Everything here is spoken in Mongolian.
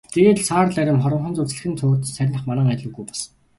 Тэгээд л саарал арми хоромхон зуурт салхинд туугдан сарних манан адил үгүй болсон.